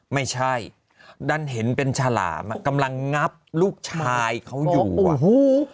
ไม่ใช่ด้านเห็นเป็นฉลามกำลังงับลูกชายเขาอยู่